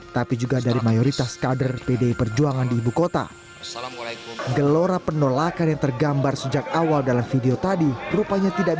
tapi juga dari mayoritas kader pd perjuangan dki jakarta